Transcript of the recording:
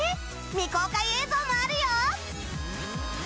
未公開映像もあるよ！